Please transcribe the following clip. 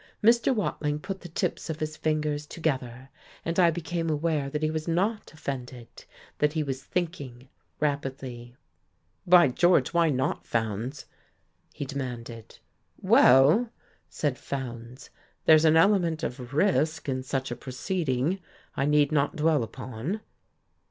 Mr. Watling put the tips of his fingers together, and I became aware that he was not offended, that he was thinking rapidly. "By George, why not, Fowndes?" he demanded. "Well," said Fowndes, "there's an element of risk in such a proceeding I need not dwell upon."